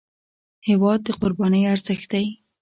هېواد د قربانۍ ارزښت دی.